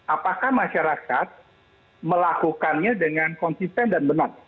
apakah masyarakat melakukannya dengan konsisten dan benar